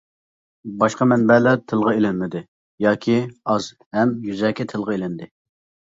باشقا مەنبەلەر تىلغا ئېلىنمىدى ياكى ئاز ھەم يۈزەكى تىلغا ئېلىندى.